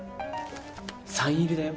サイン入りだよ。